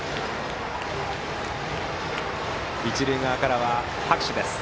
一塁側からは拍手です。